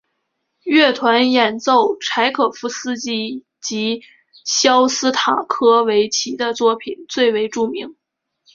乐团演奏柴可夫斯基及肖斯塔科维奇的作品最为著名。